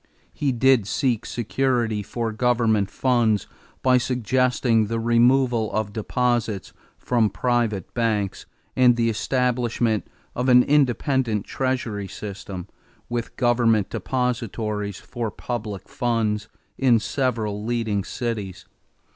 He did seek security for government funds by suggesting the removal of deposits from private banks and the establishment of an independent treasury system, with government depositaries for public funds, in several leading cities.